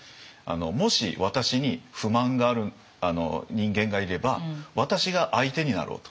もし私に不満がある人間がいれば私が相手になろうと。